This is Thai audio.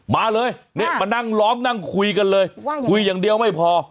มาเลยนี่มานั่งล้อมนั่งคุยกันเลยคุยอย่างเดียวไม่พอ